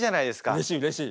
うれしいうれしい。